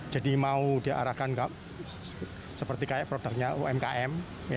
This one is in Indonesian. jadi mau diarahkan seperti produknya umkm